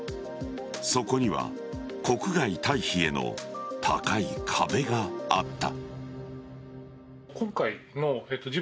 そこには国外退避への高い壁があった。